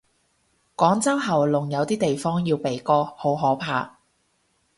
廣州喉嚨，有啲地方要鼻哥，好可怕。